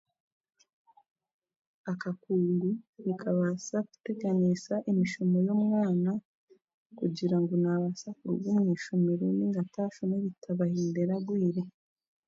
Akakungu nikabaasa kuteganiisa emishomo y'omwana kugira ngu naabaasa kuruga omu ishomero nainga ataashoma ebitabo ahendere agwire.